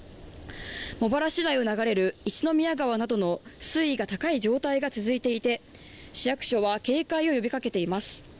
茂原市内を流れる一宮川などの水位が高い状態が続いていて市役所は警戒を呼びかけています